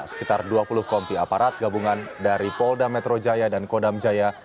sekitar dua puluh kompi aparat gabungan dari polda metro jaya dan kodam jaya